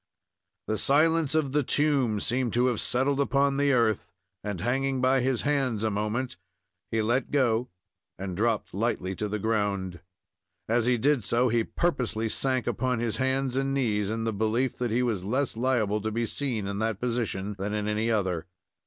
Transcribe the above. The silence of the tomb seemed to have settled upon the earth, and, hanging by his hands a moment, he let go and dropped lightly to the ground. As he did so, he purposely sank upon his hands and knees, in the belief that he was less liable to be seen in that position than in any other.